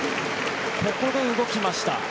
ここで動きました。